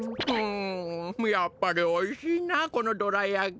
やっぱりおいしいなこのどらやき。